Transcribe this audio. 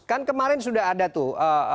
kan kemarin sudah ada tuh